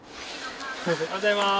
おはようございます。